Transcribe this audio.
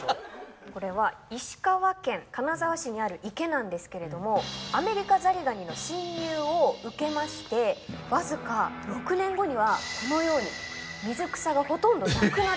これは石川県金沢市にある池なんですけれどもアメリカザリガニの侵入を受けましてわずか６年後にはこのように水草がほとんどなくなってしまったんです。